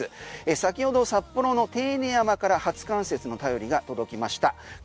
先ほど札幌の手稲山から初冠雪の便りが届きました。